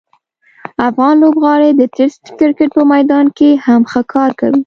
افغان لوبغاړي د ټسټ کرکټ په میدان کې هم ښه کار کوي.